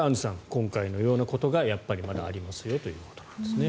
今回のようなことがやっぱりまだありますよということですね。